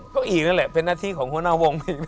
ก็อีกนั่นแหละเป็นหน้าที่ของหัวหน้าวงอีก